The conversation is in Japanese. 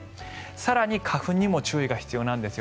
更に花粉にも注意が必要なんです。